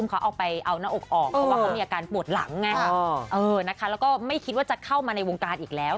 เพราะว่าเขามีอาการปวดหลังไงแล้วก็ไม่คิดว่าจะเข้ามาในวงการอีกแล้ว